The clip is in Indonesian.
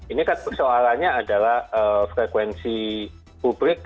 ini kan soalannya adalah frekuensi publik